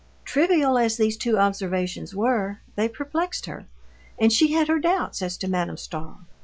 Trivial as these two observations were, they perplexed her, and she had her doubts as to Madame Stahl.